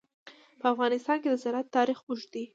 په افغانستان کې د زراعت تاریخ اوږد دی.